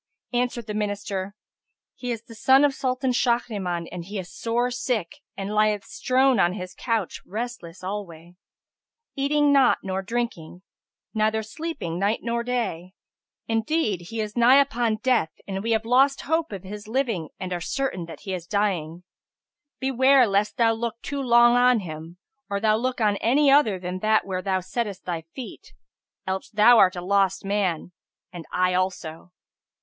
Answered the Minister, "He is the son of Sultan Shahriman and he is sore sick and lieth strown on his couch restless alway, eating not nor drinking neither sleeping night or day; indeed he is nigh upon death and we have lost hope of his living and are certain that he is dying. Beware lest thou look too long on him, or thou look on any other than that where thou settest thy feet: else thou art a lost man, and I also."